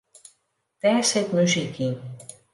Dêr sit muzyk yn.